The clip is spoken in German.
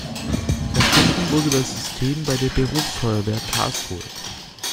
Erfunden wurde das System bei der Berufsfeuerwehr Karlsruhe.